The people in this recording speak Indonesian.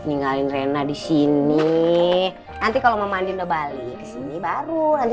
tinggalin rena di sini nanti kalau mau mandi balik ke sini baru